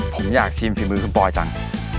ผมอยากชิมฝีมือคุณปอยจัง